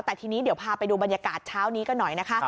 แต่ทีนี้เดี๋ยวพาไปดูบรรยากาศเช้านี้กันหน่อยนะคะ